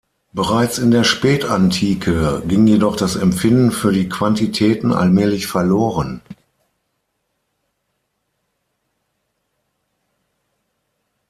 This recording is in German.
Bereits in der Spätantike ging jedoch das Empfinden für die Quantitäten allmählich verloren.